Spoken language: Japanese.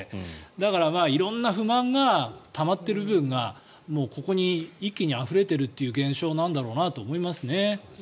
だから、色んな不満がたまっている部分がここに一気にあふれてるという現象なんだろうなと思いますね。